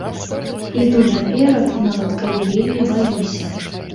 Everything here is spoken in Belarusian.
Іду наперад, нават калі вельмі баюся.